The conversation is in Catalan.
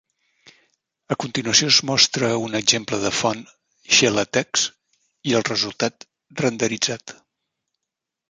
A continuació es mostra un exemple de font XeLaTeX i el resultat renderitzat.